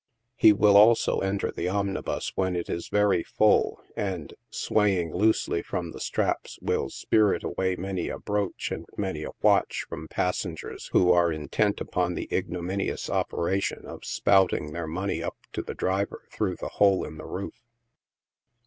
He will also enter the omnibus when it is very full, and, swaying lojsely from the straps, will spirit away many a brooch and many a watch from passengers who are intent upon the ignominious operation of "spouting" their money up to the driver through the hole in the roof.